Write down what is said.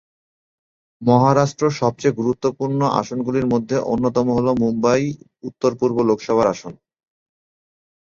মহারাষ্ট্র সবচেয়ে গুরুত্বপূর্ণ আসনগুলির মধ্যে অন্যতম হল মুম্বাই উত্তর পূর্ব লোকসভা আসন।